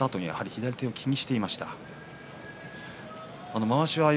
左手をちょっと気にしていました。